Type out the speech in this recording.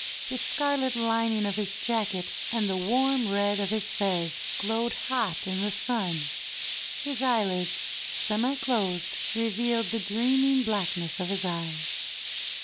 The scarlet lining of his jacket and the warm red of his fez glowed hot in the sun. His eyehds, semi closed, revealed the dreaming blackness of his eyes.